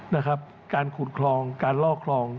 นะครับการขุดคลองการล่อคลอง